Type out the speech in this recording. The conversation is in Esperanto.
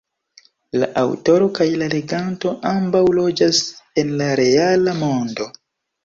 La aŭtoro kaj la leganto ambaŭ loĝas en la reala mondo.